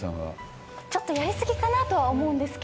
ちょっとやり過ぎかなとは思うんですけど。